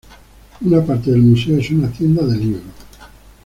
Una parte del museo es una tienda de libro.